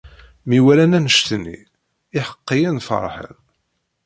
Mi walan annect nni, iḥeqqiyen ferḥen.